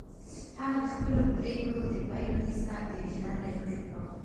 هغه د خپلو پرېکړو د پایلو حساب د وجدان له مخې کاوه.